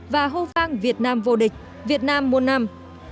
và hô vang việt nam vô địch việt nam muôn năm